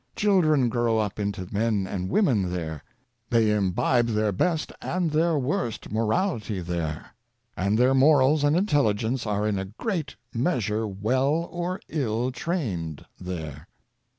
Chil dren grow up into men and women there; they imbibe their best and their worst morality there; and their morals and intelligence are in a great measure well or ill trained there.